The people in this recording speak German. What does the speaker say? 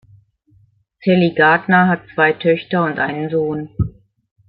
Sally Gardner hat zwei Töchter und einen Sohn.